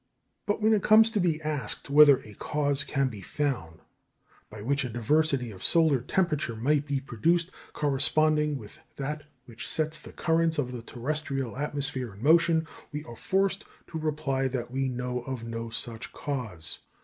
But when it comes to be asked whether a cause can be found by which a diversity of solar temperature might be produced corresponding with that which sets the currents of the terrestrial atmosphere in motion, we are forced to reply that we know of no such cause.